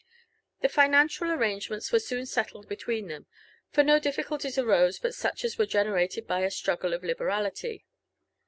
The financial arrangements were soon settled between them, for no difficulties arose but such as were generated by a struggle of liberalily.